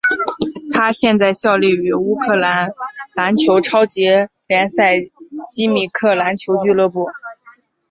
他现在效力于乌克兰篮球超级联赛基米克篮球俱乐部。